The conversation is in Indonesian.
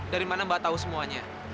dari mana mbak tahu semuanya